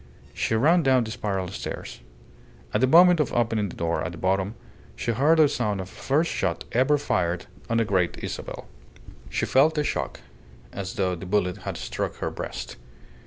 She ran down the spiral stairs. At the moment of opening the door at the bottom she heard the sound of the first shot ever fired on the Great Isabel. She felt a shock, as though the bullet had struck her breast.